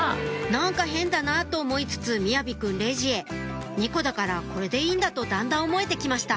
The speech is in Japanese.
何か変だなと思いつつ雅己くんレジへ２個だからこれでいいんだとだんだん思えてきました